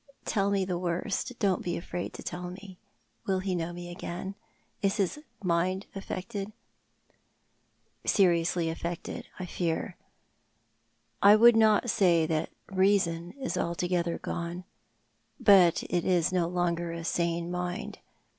" Tell me the worst — don't be afraid to tell Die. Will he know me again ? Is his mind affected ?"" Seriously affected, I fear. I would not say that reason is altogether gone, but it is no longer a sane mind.